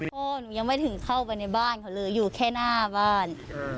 พ่อหนูยังไม่ถึงเข้าไปในบ้านเขาเลยอยู่แค่หน้าบ้าน